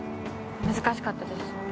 難しかったです。